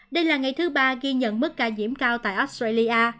đây là ngày thứ ba ghi nhận mức ca nhiễm cao tại australia